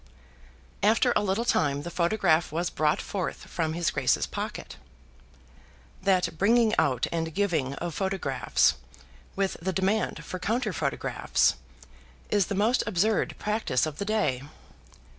After a little time the photograph was brought forth from his Grace's pocket. That bringing out and giving of photographs, with the demand for counter photographs, is the most absurd practice of the day.